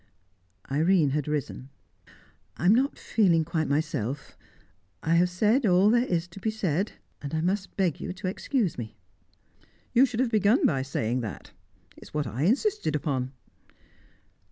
Irene had risen. "I am not feeling quite myself. I have said all there is to be said, and I must beg you to excuse me." "You should have begun by saying that. It is what I insisted upon."